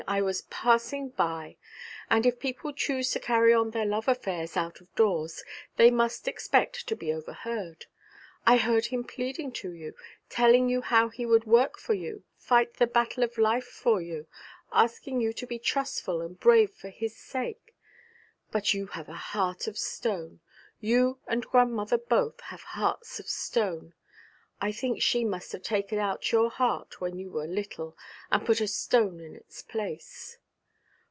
I was passing by. And if people choose to carry on their love affairs out of doors they must expect to be overheard. I heard him pleading to you, telling you how he would work for you, fight the battle of life for you, asking you to be trustful and brave for his sake. But you have a heart of stone. You and grandmother both have hearts of stone. I think she must have taken out your heart when you were little, and put a stone in its place.'